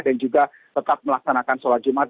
dan juga tetap melaksanakan sholat jumat